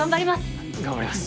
頑張ります！